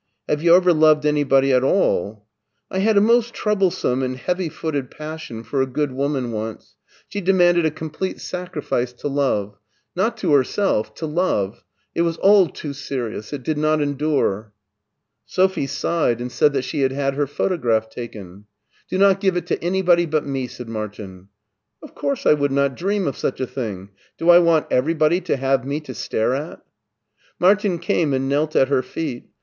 "Have you ever loved anybody at all? "" I had a most troublesome and heavy footed passion for a good woman once. She demanded a complete 4t BERLIN 217 sacrifice to love : not to herself, to love ! It was all too serious. It did not endure." Sophie sighed and said that she had had her photo graph taken. Do not give it to anybody but me," said Martin. Of course I would not dream of such a thing ! Do I want everybody to have me to stare at ?" Martin came and knelt at her feet.